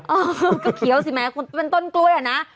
เอิ่อขี้จะเขียวสิไหมคือเป็นต้นกล้วยเหรอนะ